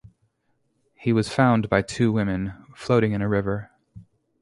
He was found by two women, floating in a river.